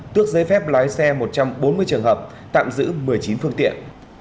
tước giấy phép lái xe một trăm bốn mươi trường hợp tạm giữ một mươi chín phương tiện